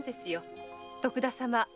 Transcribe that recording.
徳田様